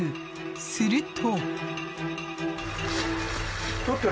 すると。